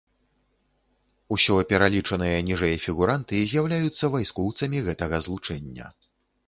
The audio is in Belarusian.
Усё пералічаныя ніжэй фігуранты з'яўляюцца вайскоўцамі гэтага злучэння.